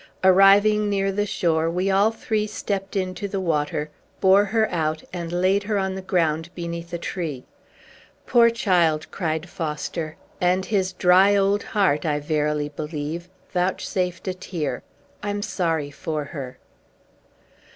Arriving near the shore, we all three stept into the water, bore her out, and laid her on the ground beneath a tree. "Poor child!" said Foster, and his dry old heart, I verily believe, vouchsafed a tear, "I'm sorry for her!"